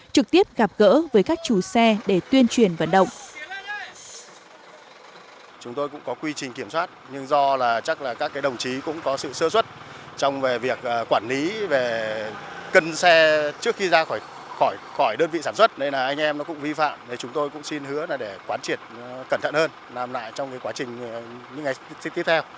trực tiếp gặp gỡ với các chú xe